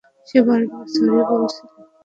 সে বারবার সরি বলছিল।